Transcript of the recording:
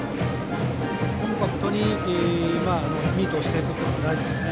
コンパクトにミートしていくというのが大事ですね。